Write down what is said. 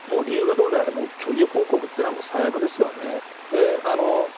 理由がどうであれ虚偽報告というのは最悪ですよね。